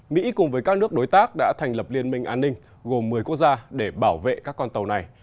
mỹ cùng với các nước đối tác đã thành lập liên minh an ninh gồm một mươi quốc gia để bảo vệ các con tàu này